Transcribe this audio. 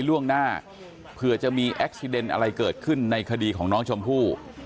เตรียมการเอาไว้ล่วงหน้าเผื่อจะมีแอคซิเดนต์อะไรเกิดขึ้นในคดีของน้องชมภู่